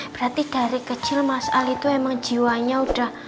berarti dari kecil mas ali itu emang jiwanya udah